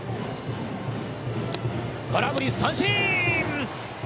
空振り三振！